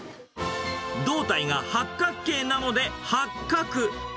胴体が八角形なので、ハッカク。